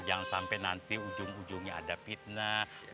jangan sampai nanti ujung ujungnya ada fitnah